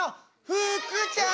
ふくちゃん！